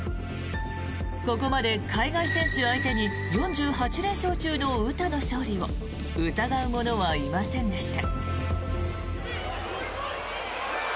ここまで海外選手相手に４８連勝中の詩の勝利を疑う者はいませんでした。